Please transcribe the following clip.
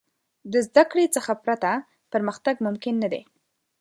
د زدهکړې څخه پرته، پرمختګ ممکن نه دی.